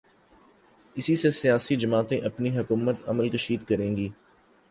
اسی سے سیاسی جماعتیں اپنی حکمت عملی کشید کریں گی۔